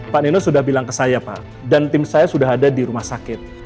pak nino sudah bilang ke saya pak dan tim saya sudah ada di rumah sakit